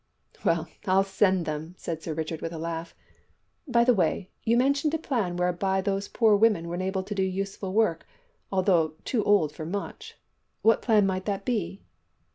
"Well, I'll send them," said Sir Richard with a laugh. "By the way, you mentioned a plan whereby those poor women were enabled to do useful work, although too old for much. What plan might that be?"